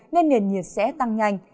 nên nền nhiệt sẽ tăng nhanh